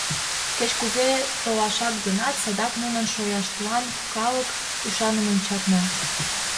Кеч-кузе толашат гынат, садак нунын шояштлан калык ӱшанымым чарна.